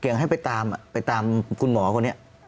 เกี่ยงให้ไปตามคุณหมอคนเนี้ย